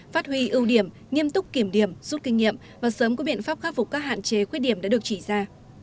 phát huy ưu điểm nghiêm túc kiểm điểm rút kinh nghiệm và sớm có biện pháp khắc phục các hạn chế khuyết điểm đã được chỉ ra